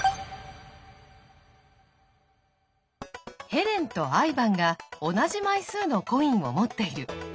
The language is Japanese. ヘレンとアイヴァンが同じ枚数のコインを持っている。